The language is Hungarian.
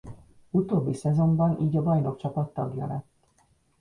Utóbbi szezonban így a bajnokcsapat tagja lett.